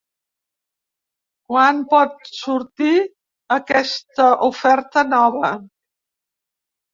Quan por sortir aquesta oferta nova?